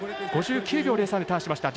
５９秒０３でターンしました。